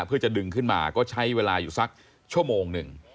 เพื่อจะดึงขึ้นมาก็ใช้เวลาอยู่สักชั่วโมงหนึ่ง